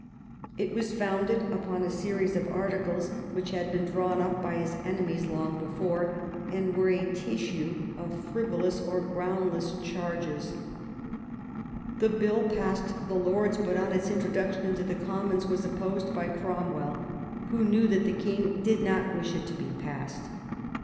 It was foimded upon a series of articles which had been drawn up by his enemies long before, and were a tissue of frivolous or groundless charges. The Bill passed the Lords, but on its introduction into the Commons was opposed by Cromwell, who knew that the king did not wish it to be passed.